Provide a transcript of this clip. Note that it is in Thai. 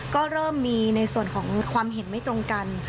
ก็เริ่มมีในส่วนของความเห็นไม่ตรงกัน